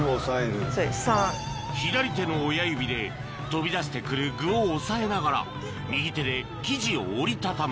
左手の親指で飛び出して来る具をおさえながら右手で生地を折り畳む